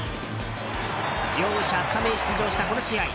両者スタメン出場した、この試合。